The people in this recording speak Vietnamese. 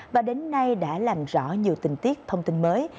và đến nay đã làm rõ nhiều tình tiết thông tin mới